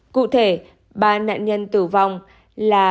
cụ thể ba nạn nhân tử vong là